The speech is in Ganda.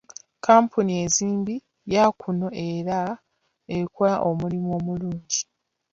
Kkampuni enzimbi ya kuno era ekola omulimu omulungi.